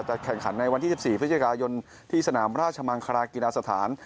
แข่งขันในวันที่๑๔พฤศจิกายนที่สนามราชมังคลากีฬาสถาน